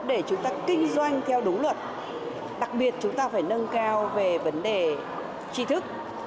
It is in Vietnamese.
để chúng ta kinh doanh theo đúng luật đặc biệt chúng ta phải nâng cao về vấn đề tri thức